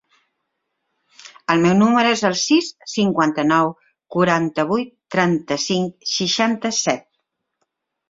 El meu número es el sis, cinquanta-nou, quaranta-vuit, trenta-cinc, seixanta-set.